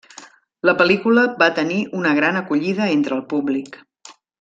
La pel·lícula va tenir una gran acollida entre el públic.